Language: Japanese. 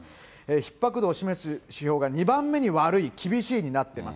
ひっ迫度を示す指標が２番目に悪い厳しいになっています。